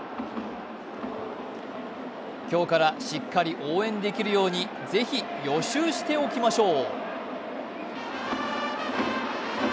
今日からしっかり応援できるようにぜひ予習しておきましょう。